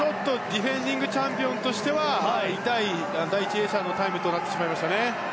ディフェンディングチャンピオンとしては痛い第１泳者のタイムとなってしまいました。